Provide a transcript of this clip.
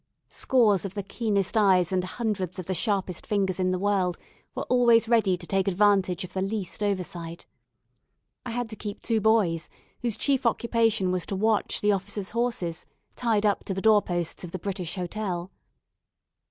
Scores of the keenest eyes and hundreds of the sharpest fingers in the world were always ready to take advantage of the least oversight. I had to keep two boys, whose chief occupation was to watch the officers' horses, tied up to the doorposts of the British Hotel.